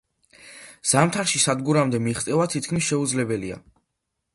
ზამთარში სადგურამდე მიღწევა თითქმის შეუძლებელია.